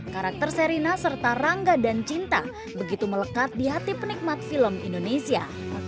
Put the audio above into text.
karakter serina serta rangga dan cinta begitu melekat di hati penikmat film indonesia